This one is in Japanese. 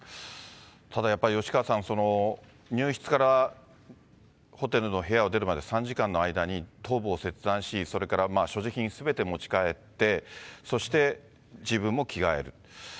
ただやっぱり、吉川さん、入室からホテルの部屋を出るまで３時間の間に、頭部を切断し、それから所持品すべて持ち帰って、そして、自分も着替える。